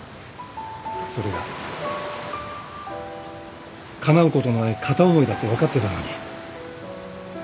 それがかなうことのない片思いだって分かってたのに。